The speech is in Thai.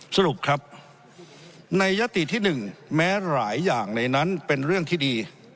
สรุปครับในยติที่๑แม้หลายอย่างในนั้นเป็นเรื่องที่ดี